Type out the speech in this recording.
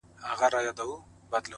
علم د ټولنې پرمختګ تضمینوي.!